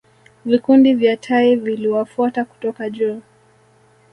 Vikundi vya tai viliwafuata kutoka juu